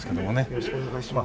よろしくお願いします。